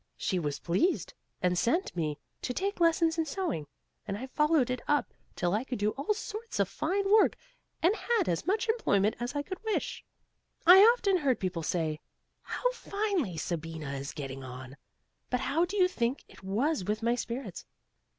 She was pleased, and sent me to take lessons in sewing, and I followed it up till I could do all sorts of fine work, and had as much employment as I could wish. I often heard people say, 'How finely Sabina is getting on!' But how do you think it was with my spirits?